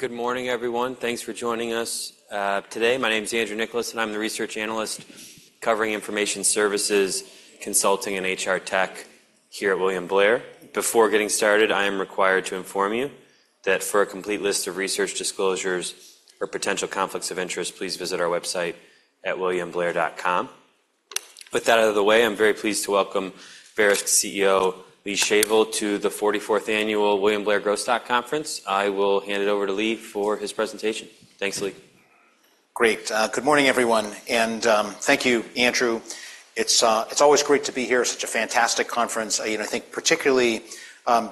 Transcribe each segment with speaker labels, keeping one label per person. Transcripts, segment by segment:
Speaker 1: Good morning, everyone. Thanks for joining us today. My name is Andrew Nicholas, and I'm the research analyst covering information services, consulting, and HR tech here at William Blair. Before getting started, I am required to inform you that for a complete list of research disclosures or potential conflicts of interest, please visit our website at williamblair.com. With that out of the way, I'm very pleased to welcome Verisk CEO, Lee Shavel, to the 44th annual William Blair Growth Stock Conference. I will hand it over to Lee for his presentation. Thanks, Lee.
Speaker 2: Great. Good morning, everyone, and thank you, Andrew. It's always great to be here, such a fantastic conference. You know, I think particularly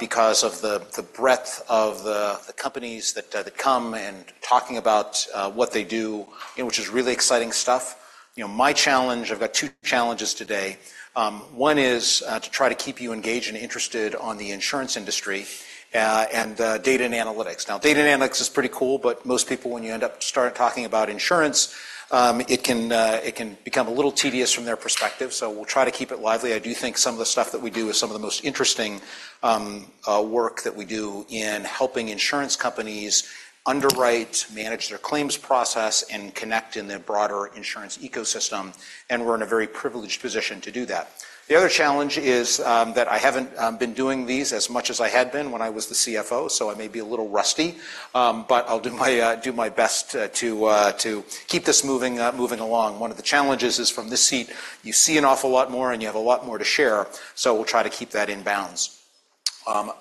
Speaker 2: because of the breadth of the companies that come and talking about what they do, you know, which is really exciting stuff. You know, my challenge, I've got two challenges today. One is to try to keep you engaged and interested on the insurance industry and data and analytics. Now, data and analytics is pretty cool, but most people, when you end up start talking about insurance, it can become a little tedious from their perspective, so we'll try to keep it lively. I do think some of the stuff that we do is some of the most interesting work that we do in helping insurance companies underwrite, manage their claims process, and connect in the broader insurance ecosystem, and we're in a very privileged position to do that. The other challenge is that I haven't been doing these as much as I had been when I was the CFO, so I may be a little rusty. But I'll do my best to keep this moving along. One of the challenges is, from this seat, you see an awful lot more, and you have a lot more to share, so we'll try to keep that in bounds.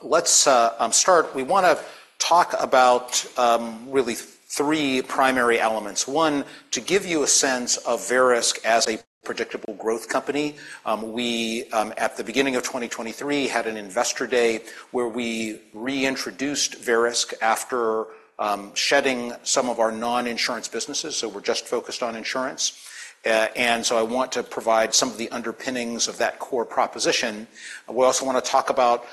Speaker 2: Let's start. We want to talk about really three primary elements. One, to give you a sense of Verisk as a predictable growth company. We, at the beginning of 2023, had an investor day where we reintroduced Verisk after shedding some of our non-insurance businesses, so we're just focused on insurance. And so I want to provide some of the underpinnings of that core proposition. We also want to talk about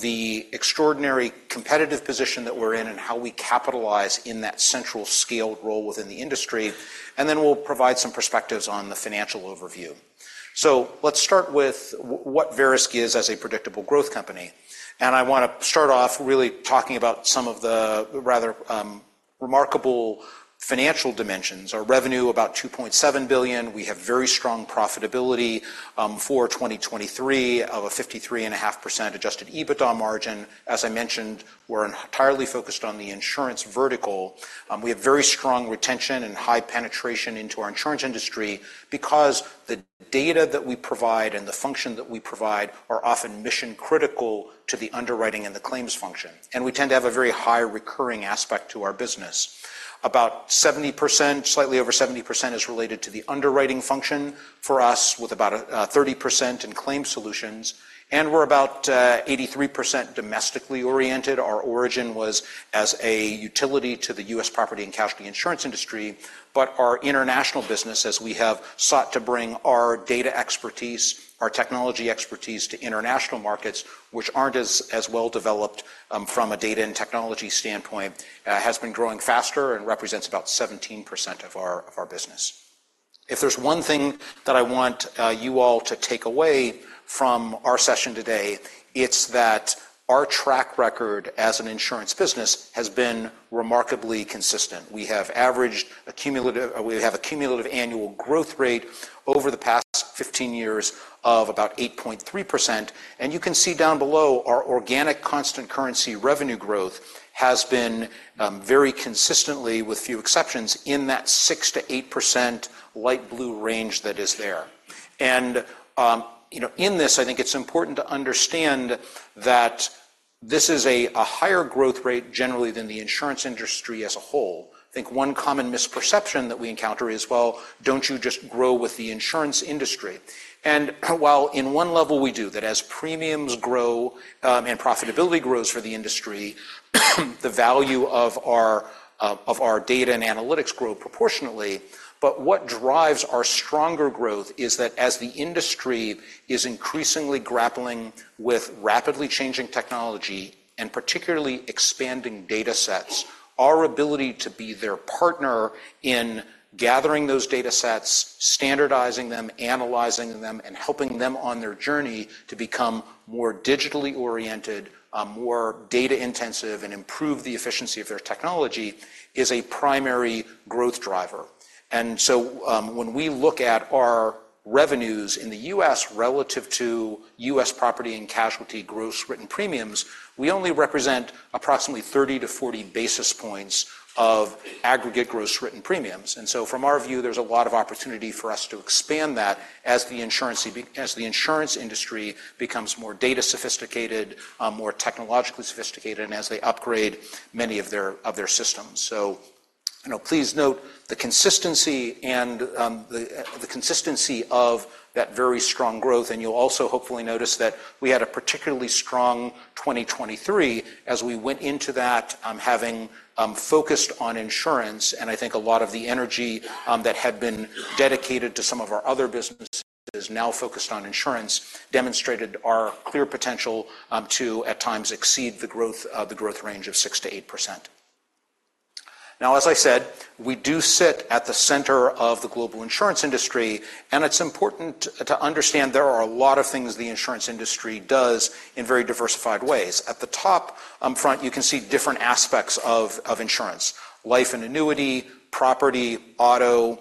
Speaker 2: the extraordinary competitive position that we're in and how we capitalize in that central scaled role within the industry, and then we'll provide some perspectives on the financial overview. So let's start with what Verisk is as a predictable growth company, and I want to start off really talking about some of the rather remarkable financial dimensions. Our revenue, about $2.7 billion. We have very strong profitability for 2023 of a 53.5% Adjusted EBITDA margin. As I mentioned, we're entirely focused on the insurance vertical. We have very strong retention and high penetration into our insurance industry because the data that we provide and the function that we provide are often mission-critical to the underwriting and the claims function, and we tend to have a very high recurring aspect to our business. About 70%, slightly over 70% is related to the underwriting function for us, with about 30% in claims solutions, and we're about 83% domestically oriented. Our origin was as a utility to the U.S. property and casualty insurance industry, but our international business, as we have sought to bring our data expertise, our technology expertise to international markets, which aren't as well developed from a data and technology standpoint, has been growing faster and represents about 17% of our business. If there's one thing that I want you all to take away from our session today, it's that our track record as an insurance business has been remarkably consistent. We have averaged a cumulative. We have a cumulative annual growth rate over the past 15 years of about 8.3%, and you can see down below, our organic constant currency revenue growth has been very consistently, with few exceptions, in that 6%-8% light blue range that is there. And, you know, in this, I think it's important to understand that this is a higher growth rate generally than the insurance industry as a whole. I think one common misperception that we encounter is, "Well, don't you just grow with the insurance industry?" And while in one level we do, that as premiums grow, and profitability grows for the industry, the value of our data and analytics grow proportionately. But what drives our stronger growth is that as the industry is increasingly grappling with rapidly changing technology and particularly expanding data sets, our ability to be their partner in gathering those data sets, standardizing them, analyzing them, and helping them on their journey to become more digitally oriented, more data intensive, and improve the efficiency of their technology, is a primary growth driver. And so, when we look at our revenues in the U.S. relative to U.S. property and casualty gross written premiums, we only represent approximately 30-40 basis points of aggregate gross written premiums. And so from our view, there's a lot of opportunity for us to expand that as the insurance, as the insurance industry becomes more data sophisticated, more technologically sophisticated, and as they upgrade many of their systems. So, you know, please note the consistency and the consistency of that very strong growth, and you'll also hopefully notice that we had a particularly strong 2023 as we went into that, having focused on insurance. And I think a lot of the energy that had been dedicated to some of our other businesses, now focused on insurance, demonstrated our clear potential to, at times, exceed the growth range of 6%-8%. Now, as I said, we do sit at the center of the global insurance industry, and it's important to understand there are a lot of things the insurance industry does in very diversified ways. At the top front, you can see different aspects of insurance: life and annuity, property, auto.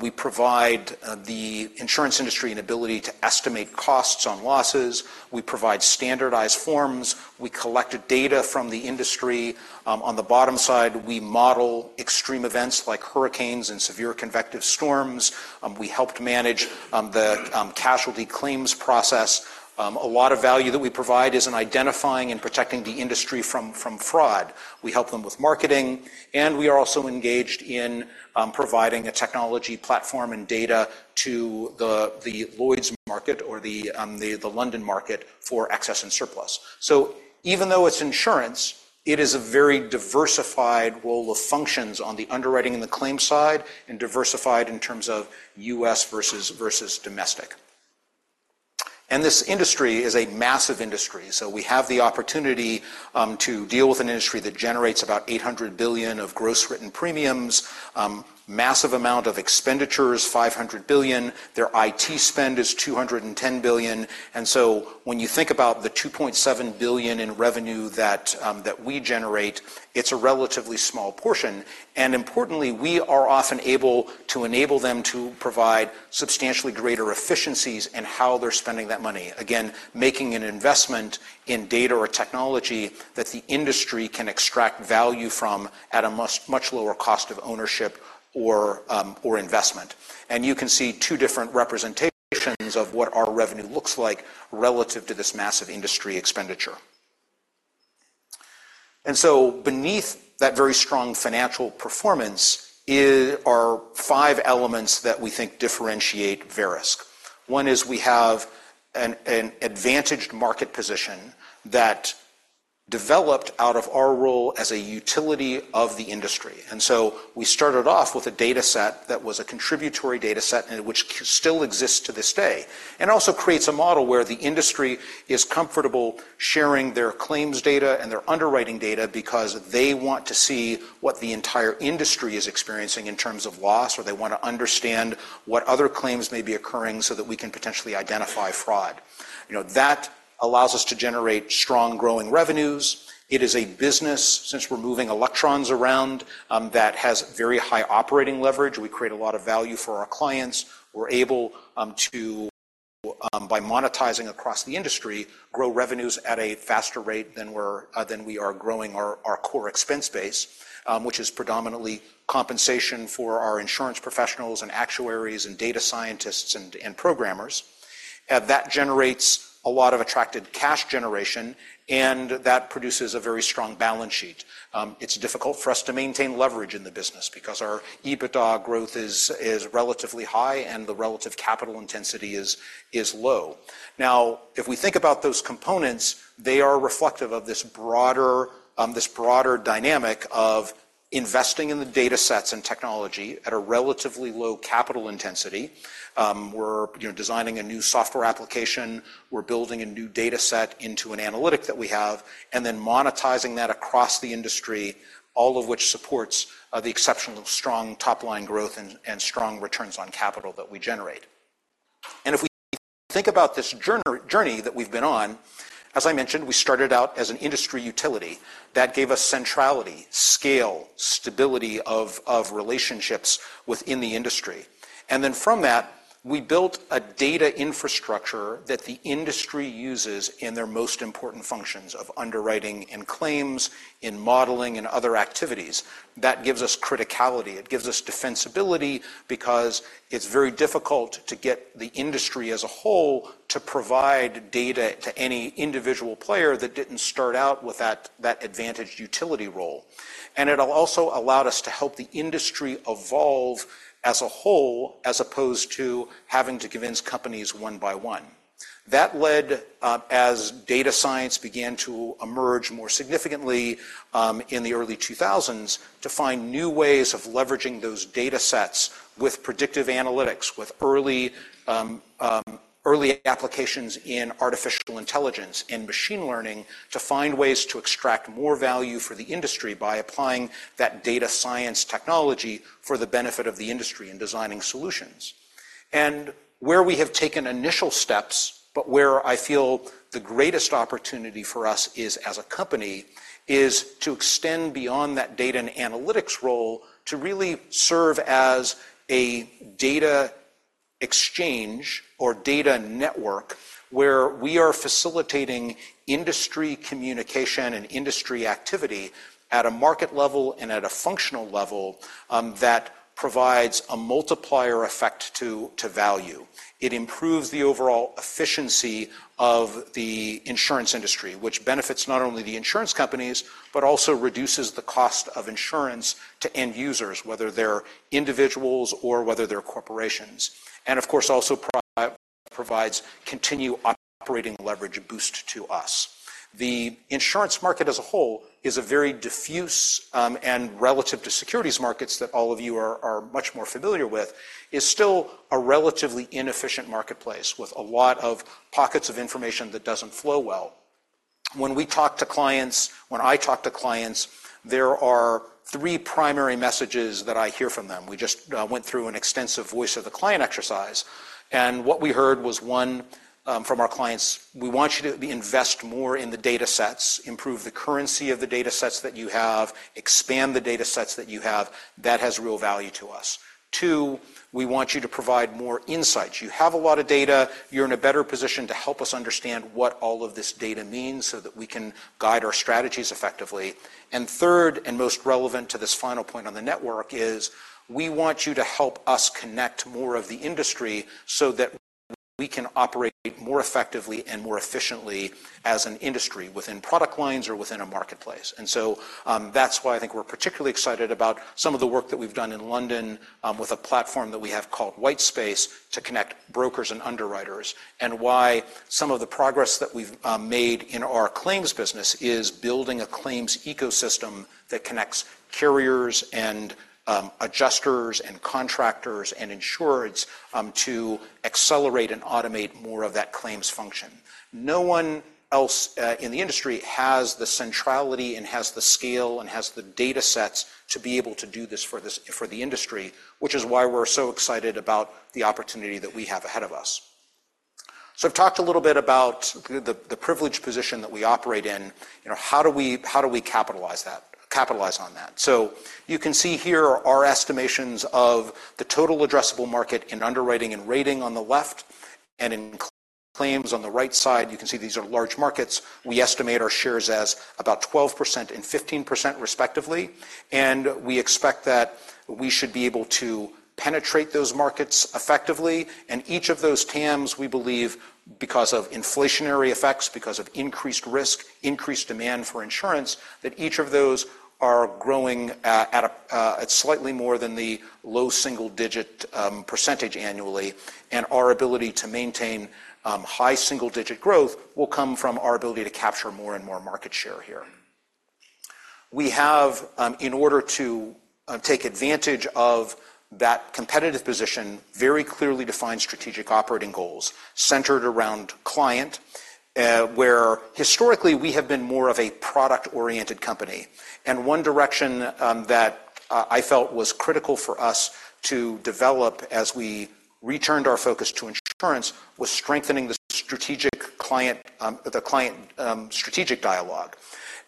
Speaker 2: We provide the insurance industry an ability to estimate costs on losses. We provide standardized forms. We collect data from the industry. On the bottom side, we model extreme events like hurricanes and severe convective storms. We help to manage the casualty claims process. A lot of value that we provide is in identifying and protecting the industry from fraud. We help them with marketing, and we are also engaged in providing a technology platform and data to the Lloyd's market or the London market for excess and surplus. So even though it's insurance, it is a very diversified role of functions on the underwriting and the claims side, and diversified in terms of U.S. versus domestic. And this industry is a massive industry, so we have the opportunity to deal with an industry that generates about $800 billion of gross written premiums, massive amount of expenditures, $500 billion. Their IT spend is $210 billion. And so when you think about the $2.7 billion in revenue that we generate, it's a relatively small portion, and importantly, we are often able to enable them to provide substantially greater efficiencies in how they're spending that money. Again, making an investment in data or technology that the industry can extract value from at a much lower cost of ownership or investment. And you can see two different representations of what our revenue looks like relative to this massive industry expenditure. And so beneath that very strong financial performance are five elements that we think differentiate Verisk. One is we have an advantaged market position that developed out of our role as a utility of the industry. And so we started off with a dataset that was a contributory dataset, and which still exists to this day, and also creates a model where the industry is comfortable sharing their claims data and their underwriting data because they want to see what the entire industry is experiencing in terms of loss, or they want to understand what other claims may be occurring so that we can potentially identify fraud. You know, that allows us to generate strong, growing revenues. It is a business, since we're moving electrons around, that has very high operating leverage. We create a lot of value for our clients. We're able to by monetizing across the industry, grow revenues at a faster rate than we are growing our core expense base, which is predominantly compensation for our insurance professionals, and actuaries, and data scientists, and programmers. That generates a lot of attractive cash generation, and that produces a very strong balance sheet. It's difficult for us to maintain leverage in the business because our EBITDA growth is relatively high and the relative capital intensity is low. Now, if we think about those components, they are reflective of this broader dynamic of investing in the datasets and technology at a relatively low capital intensity. We're, you know, designing a new software application, we're building a new dataset into an analytic that we have, and then monetizing that across the industry, all of which supports the exceptional strong top-line growth and strong returns on capital that we generate. And if we think about this journey that we've been on, as I mentioned, we started out as an industry utility. That gave us centrality, scale, stability of relationships within the industry. And then from that, we built a data infrastructure that the industry uses in their most important functions of underwriting and claims, in modeling and other activities. That gives us criticality. It gives us defensibility because it's very difficult to get the industry as a whole to provide data to any individual player that didn't start out with that advantaged utility role. And it'll also allowed us to help the industry evolve as a whole, as opposed to having to convince companies one by one. That led, as data science began to emerge more significantly, in the early 2000s, to find new ways of leveraging those datasets with predictive analytics, with early, early applications in artificial intelligence and machine learning, to find ways to extract more value for the industry by applying that data science technology for the benefit of the industry and designing solutions. Where we have taken initial steps, but where I feel the greatest opportunity for us is, as a company, is to extend beyond that data and analytics role to really serve as a data exchange or data network, where we are facilitating industry communication and industry activity at a market level and at a functional level, that provides a multiplier effect to value. It improves the overall efficiency of the insurance industry, which benefits not only the insurance companies, but also reduces the cost of insurance to end users, whether they're individuals or whether they're corporations, and of course, also provides continued operating leverage boost to us. The insurance market as a whole is a very diffuse, and relative to securities markets that all of you are much more familiar with, is still a relatively inefficient marketplace with a lot of pockets of information that doesn't flow well. When we talk to clients, when I talk to clients, there are three primary messages that I hear from them. We just went through an extensive Voice of the Client exercise, and what we heard was, one, from our clients: "We want you to invest more in the datasets, improve the currency of the datasets that you have, expand the datasets that you have. That has real value to us." Two: "We want you to provide more insights. You have a lot of data. You're in a better position to help us understand what all of this data means so that we can guide our strategies effectively." And third, and most relevant to this final point on the network, is: "We want you to help us connect more of the industry so that we can operate more effectively and more efficiently as an industry within product lines or within a marketplace." And so, that's why I think we're particularly excited about some of the work that we've done in London, with a platform that we have called Whitespace to connect brokers and underwriters, and why some of the progress that we've made in our claims business is building a claims ecosystem that connects carriers and, adjusters and contractors and insureds, to accelerate and automate more of that claims function. No one else in the industry has the centrality and has the scale and has the datasets to be able to do this for the industry, which is why we're so excited about the opportunity that we have ahead of us. So I've talked a little bit about the privileged position that we operate in. You know, how do we capitalize on that? So you can see here are our estimations of the total addressable market in underwriting and rating on the left, and in claims on the right side. You can see these are large markets. We estimate our shares as about 12% and 15% respectively, and we expect that we should be able to penetrate those markets effectively. Each of those TAMs, we believe, because of inflationary effects, because of increased risk, increased demand for insurance, that each of those are growing at slightly more than the low single-digit percentage annually. Our ability to maintain high single-digit growth will come from our ability to capture more and more market share here. We have in order to take advantage of that competitive position, very clearly defined strategic operating goals centered around client where historically we have been more of a product-oriented company. One direction that I felt was critical for us to develop as we returned our focus to insurance was strengthening the strategic client the client strategic dialogue.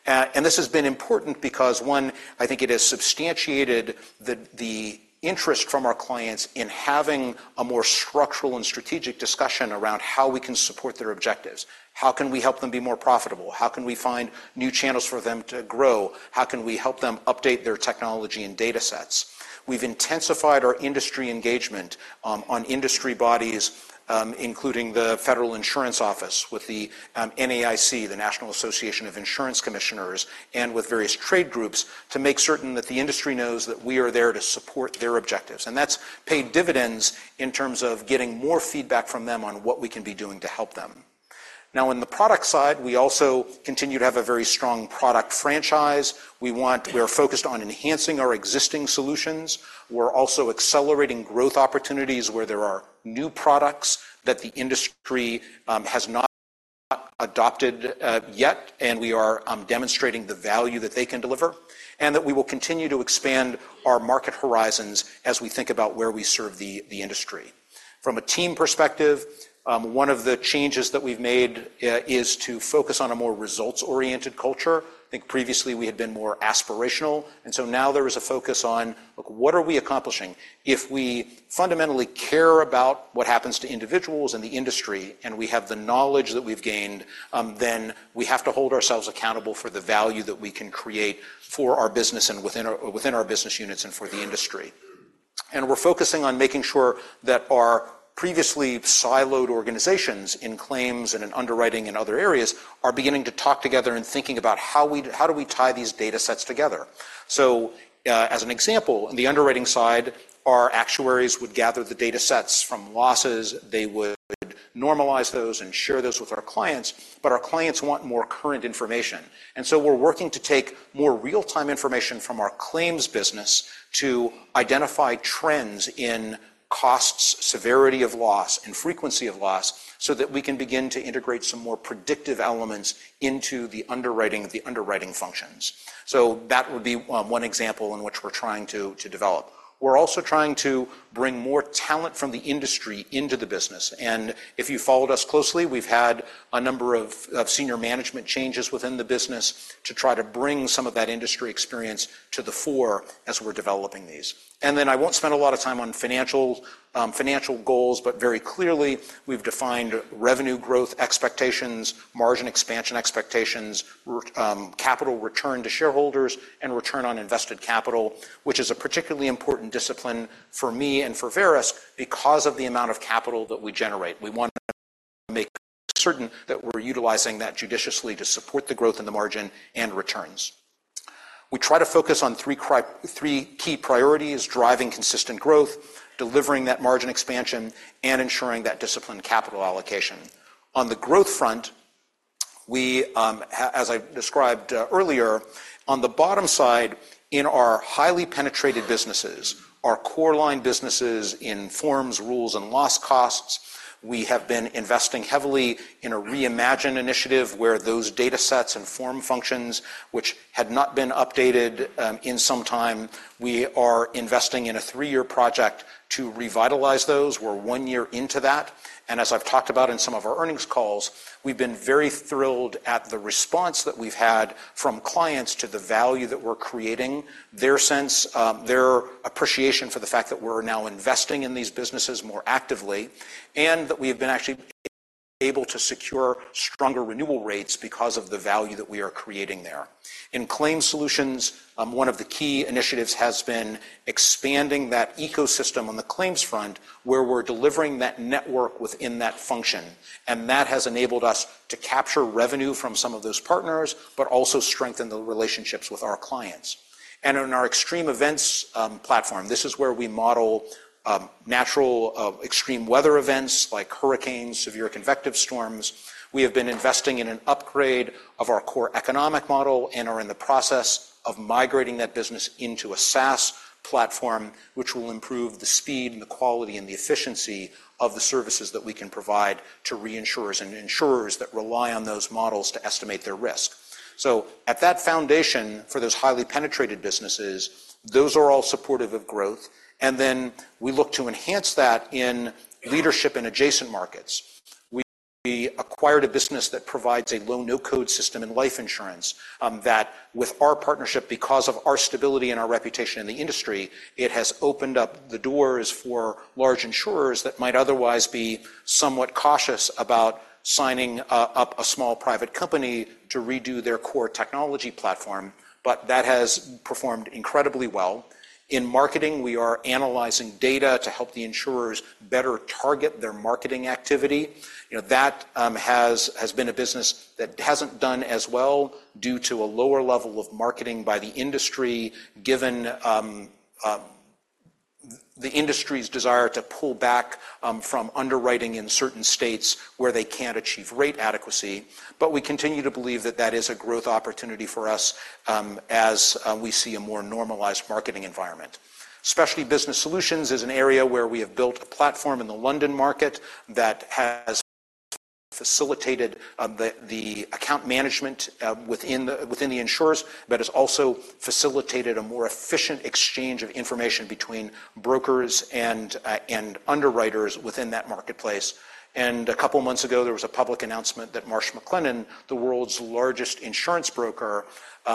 Speaker 2: This has been important because, one, I think it has substantiated the interest from our clients in having a more structural and strategic discussion around how we can support their objectives. How can we help them be more profitable? How can we find new channels for them to grow? How can we help them update their technology and datasets? We've intensified our industry engagement on industry bodies, including the Federal Insurance Office, with the NAIC, the National Association of Insurance Commissioners, and with various trade groups, to make certain that the industry knows that we are there to support their objectives. And that's paid dividends in terms of getting more feedback from them on what we can be doing to help them. Now, on the product side, we also continue to have a very strong product franchise. We are focused on enhancing our existing solutions. We're also accelerating growth opportunities where there are new products that the industry has not adopted yet, and we are demonstrating the value that they can deliver, and that we will continue to expand our market horizons as we think about where we serve the industry. From a team perspective, one of the changes that we've made is to focus on a more results-oriented culture. I think previously we had been more aspirational, and so now there is a focus on what are we accomplishing? If we fundamentally care about what happens to individuals and the industry, and we have the knowledge that we've gained, then we have to hold ourselves accountable for the value that we can create for our business and within our business units and for the industry. We're focusing on making sure that our previously siloed organizations in claims and in underwriting and other areas are beginning to talk together and thinking about how do we tie these datasets together. So, as an example, on the underwriting side, our actuaries would gather the datasets from losses. They would normalize those and share those with our clients, but our clients want more current information. And so we're working to take more real-time information from our claims business to identify trends in costs, severity of loss, and frequency of loss, so that we can begin to integrate some more predictive elements into the underwriting, the underwriting functions. So that would be, one example in which we're trying to, to develop. We're also trying to bring more talent from the industry into the business. And if you've followed us closely, we've had a number of senior management changes within the business to try to bring some of that industry experience to the fore as we're developing these. And then I won't spend a lot of time on financial goals, but very clearly, we've defined revenue growth expectations, margin expansion expectations, capital return to shareholders, and return on invested capital, which is a particularly important discipline for me and for Verisk because of the amount of capital that we generate. We want to make certain that we're utilizing that judiciously to support the growth in the margin and returns. We try to focus on three key priorities: driving consistent growth, delivering that margin expansion, and ensuring that disciplined capital allocation. On the growth front, we, as I described, earlier, on the bottom side, in our highly penetrated businesses, our core line businesses in forms, rules, and loss costs. We have been investing heavily in a reimagined initiative where those datasets and form functions, which had not been updated, in some time, we are investing in a three-year project to revitalize those. We're one year into that, and as I've talked about in some of our earnings calls, we've been very thrilled at the response that we've had from clients to the value that we're creating, their sense, their appreciation for the fact that we're now investing in these businesses more actively, and that we have been actually able to secure stronger renewal rates because of the value that we are creating there. In Claims Solutions, one of the key initiatives has been expanding that ecosystem on the claims front, where we're delivering that network within that function, and that has enabled us to capture revenue from some of those partners, but also strengthen the relationships with our clients. In our extreme events platform, this is where we model natural extreme weather events like hurricanes, severe convective storms. We have been investing in an upgrade of our core economic model and are in the process of migrating that business into a SaaS platform, which will improve the speed and the quality and the efficiency of the services that we can provide to reinsurers and insurers that rely on those models to estimate their risk. So at that foundation for those highly penetrated businesses, those are all supportive of growth, and then we look to enhance that in leadership in adjacent markets. We acquired a business that provides a low/no-code system in life insurance, that with our partnership, because of our stability and our reputation in the industry, it has opened up the doors for large insurers that might otherwise be somewhat cautious about signing up a small private company to redo their core technology platform, but that has performed incredibly well. In marketing, we are analyzing data to help the insurers better target their marketing activity. You know, that has been a business that hasn't done as well due to a lower level of marketing by the industry, given the industry's desire to pull back from underwriting in certain states where they can't achieve rate adequacy. But we continue to believe that that is a growth opportunity for us, as we see a more normalized marketing environment. Specialty Business Solutions is an area where we have built a platform in the London market that has facilitated the account management within the insurers, but has also facilitated a more efficient exchange of information between brokers and underwriters within that marketplace. And a couple of months ago, there was a public announcement that Marsh McLennan, the world's largest insurance broker,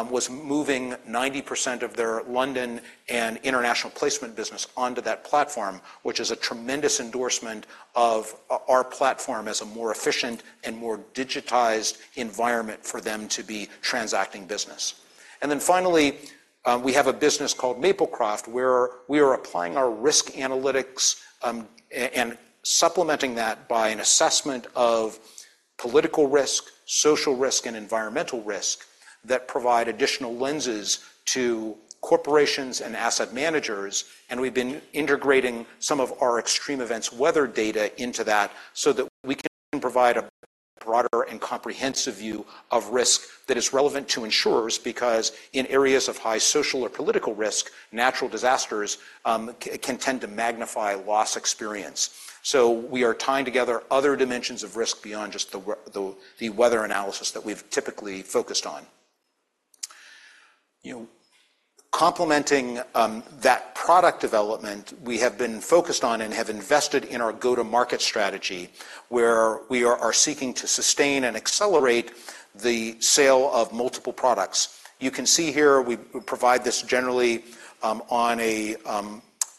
Speaker 2: was moving 90% of their London and international placement business onto that platform, which is a tremendous endorsement of our platform as a more efficient and more digitized environment for them to be transacting business. Then finally, we have a business called Maplecroft, where we are applying our risk analytics, and supplementing that by an assessment of political risk, social risk, and environmental risk that provide additional lenses to corporations and asset managers. We've been integrating some of our extreme events weather data into that so that we can provide a broader and comprehensive view of risk that is relevant to insurers, because in areas of high social or political risk, natural disasters can tend to magnify loss experience. So we are tying together other dimensions of risk beyond just the the weather analysis that we've typically focused on. You know, complementing that product development, we have been focused on and have invested in our go-to-market strategy, where we are seeking to sustain and accelerate the sale of multiple products. You can see here, we provide this generally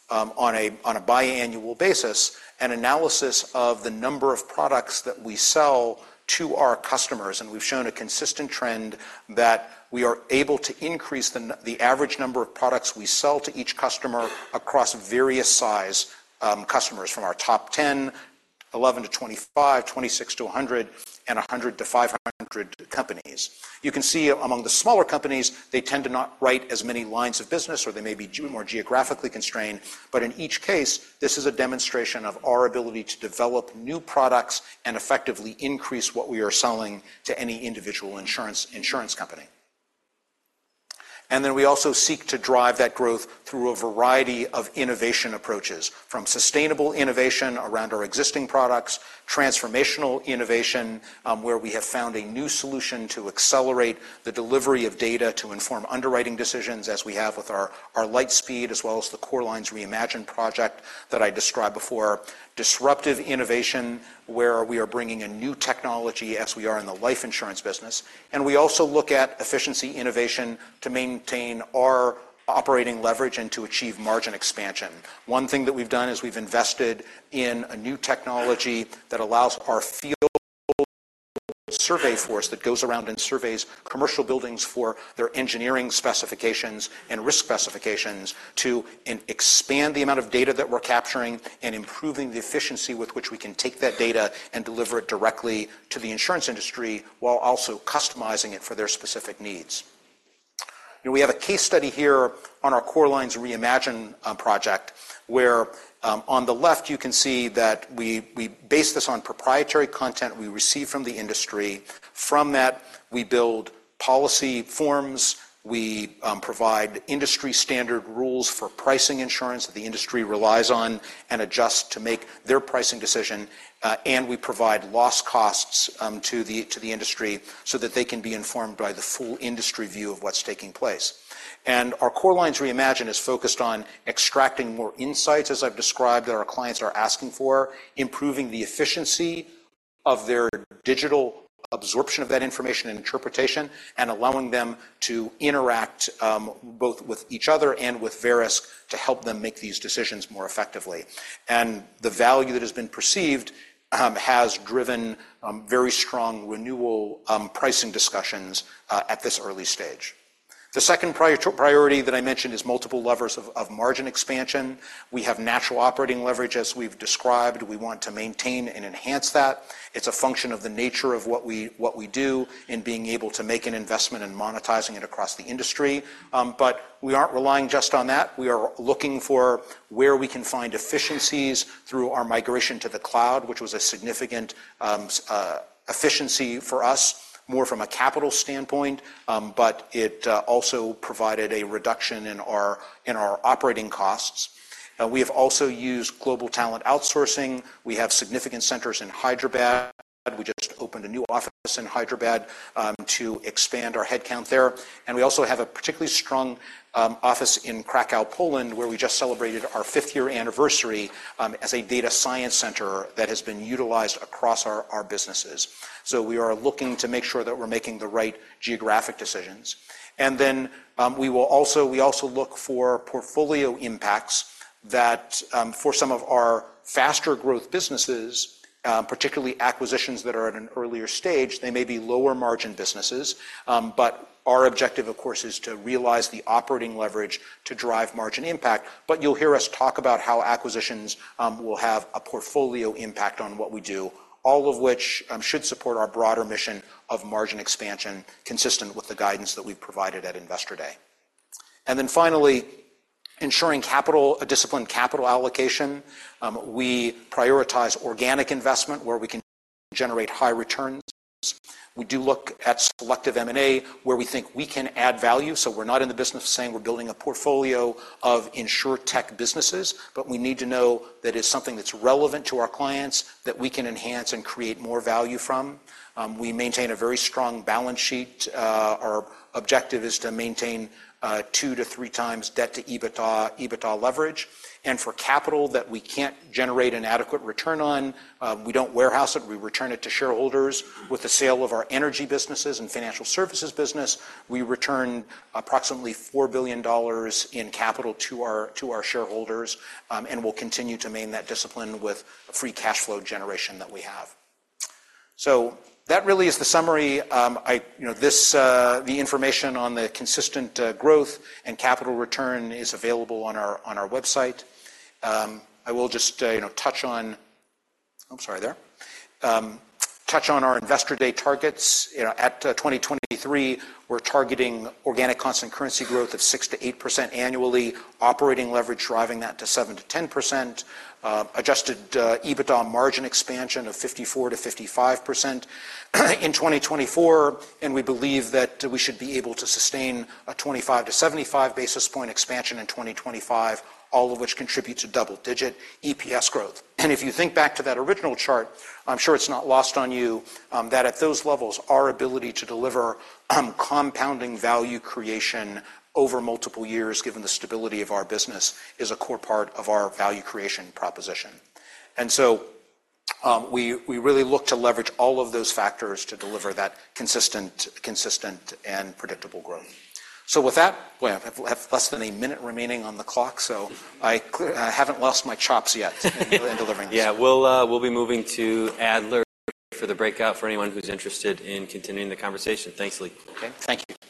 Speaker 2: on a biannual basis, an analysis of the number of products that we sell to our customers, and we've shown a consistent trend that we are able to increase the average number of products we sell to each customer across various size customers, from our top 10, 11-25, 26-100, and 100-500 companies. You can see among the smaller companies, they tend to not write as many lines of business, or they may be more geographically constrained. But in each case, this is a demonstration of our ability to develop new products and effectively increase what we are selling to any individual insurance company. And then we also seek to drive that growth through a variety of innovation approaches, from sustainable innovation around our existing products, transformational innovation, where we have found a new solution to accelerate the delivery of data to inform underwriting decisions, as we have with our, our LightSpeed, as well as the Core Lines Reimagine project that I described before. Disruptive innovation, where we are bringing a new technology as we are in the life insurance business, and we also look at efficiency innovation to maintain our operating leverage and to achieve margin expansion. One thing that we've done is we've invested in a new technology that allows our field survey force that goes around and surveys commercial buildings for their engineering specifications and risk specifications to expand the amount of data that we're capturing and improving the efficiency with which we can take that data and deliver it directly to the insurance industry while also customizing it for their specific needs. We have a case study here on our Core Lines Reimagine project, where on the left, you can see that we, we base this on proprietary content we receive from the industry. From that, we build policy forms, we provide industry standard rules for pricing insurance that the industry relies on and adjust to make their pricing decision, and we provide loss costs to the industry so that they can be informed by the full industry view of what's taking place. And our Core Lines Reimagine is focused on extracting more insights, as I've described, that our clients are asking for, improving the efficiency of their digital absorption of that information and interpretation, and allowing them to interact both with each other and with Verisk to help them make these decisions more effectively. And the value that has been perceived has driven very strong renewal pricing discussions at this early stage. The second priority that I mentioned is multiple levers of margin expansion. We have natural operating leverage, as we've described. We want to maintain and enhance that. It's a function of the nature of what we, what we do in being able to make an investment and monetizing it across the industry. But we aren't relying just on that. We are looking for where we can find efficiencies through our migration to the cloud, which was a significant efficiency for us, more from a capital standpoint, but it also provided a reduction in our, in our operating costs. We have also used global talent outsourcing. We have significant centers in Hyderabad. We just opened a new office in Hyderabad, to expand our headcount there. We also have a particularly strong office in Kraków, Poland, where we just celebrated our fifth-year anniversary as a data science center that has been utilized across our businesses. So we are looking to make sure that we're making the right geographic decisions. And then, we also look for portfolio impacts that, for some of our faster growth businesses, particularly acquisitions that are at an earlier stage, they may be lower margin businesses, but our objective, of course, is to realize the operating leverage to drive margin impact. But you'll hear us talk about how acquisitions will have a portfolio impact on what we do, all of which should support our broader mission of margin expansion, consistent with the guidance that we've provided at Investor Day. And then finally, ensuring a disciplined capital allocation. We prioritize organic investment where we can generate high returns. We do look at selective M&A, where we think we can add value. So we're not in the business of saying we're building a portfolio of InsurTech businesses, but we need to know that it's something that's relevant to our clients that we can enhance and create more value from. We maintain a very strong balance sheet. Our objective is to maintain 2x-3x debt to EBITDA, EBITDA leverage. And for capital that we can't generate an adequate return on, we don't warehouse it, we return it to shareholders. With the sale of our energy businesses and financial services business, we return approximately $4 billion in capital to our, to our shareholders, and we'll continue to maintain that discipline with free cash flow generation that we have. So that really is the summary. You know, this, the information on the consistent growth and capital return is available on our, on our website. I will just, you know, touch on our Investor Day targets. You know, at 2023, we're targeting organic constant currency growth of 6%-8% annually, operating leverage driving that to 7%-10%, Adjusted EBITDA margin expansion of 54%-55% in 2024, and we believe that we should be able to sustain a 25-75 basis point expansion in 2025, all of which contribute to double-digit EPS growth. If you think back to that original chart, I'm sure it's not lost on you that at those levels, our ability to deliver compounding value creation over multiple years, given the stability of our business, is a core part of our value creation proposition. So we really look to leverage all of those factors to deliver that consistent and predictable growth. So with that, well, I have less than a minute remaining on the clock, so I haven't lost my chops yet in delivering this.
Speaker 1: Yeah, we'll, we'll be moving to Adler for the breakout, for anyone who's interested in continuing the conversation. Thanks, Lee.
Speaker 2: Okay. Thank you.